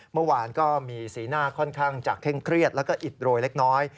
เมื่อวานก็มีสีหน้าค่อนข้างจะเคร่งเครียดแล้วก็อิดโรยเล็กน้อย